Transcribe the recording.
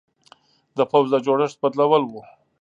د پوځ د جوړښت بدلول و.